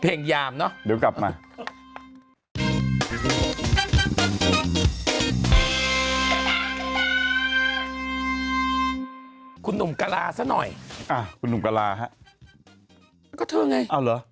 คุณนุมกราสักหน่อย